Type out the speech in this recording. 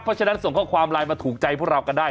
เพราะฉะนั้นส่งข้อความไลน์มาถูกใจพวกเรากันได้